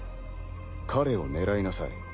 彼を狙いなさい。